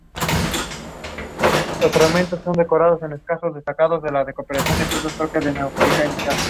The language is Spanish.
Muchas industrias usan variaciones de estas etapas.